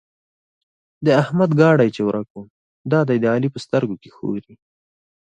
د احمد ګاډی چې ورک وو؛ دا دی د علي په سترګو کې ښوري.